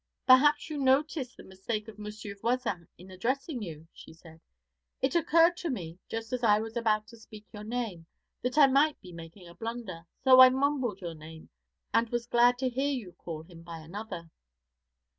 'Perhaps you noticed the mistake of Monsieur Voisin in addressing you,' she said. 'It occurred to me, just as I was about to speak your name, that I might be making a blunder, so I mumbled your name, and was glad to hear him call you by another.'